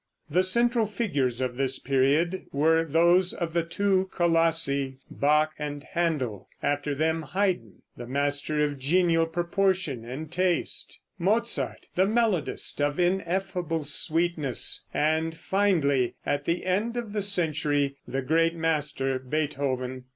The central figures of this period were those of the two Colossi, Bach and Händel; after them Haydn, the master of genial proportion and taste; Mozart, the melodist of ineffable sweetness, and finally at the end of the century, the great master, Beethoven.